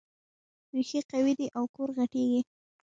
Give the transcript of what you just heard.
ريښې قوي دي او کور غټېږي.